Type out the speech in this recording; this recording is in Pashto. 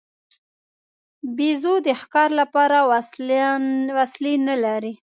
بیزو د ښکار لپاره وسلې نه لري.